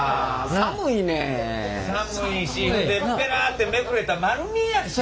寒いしペラってめくれたら丸見えやし。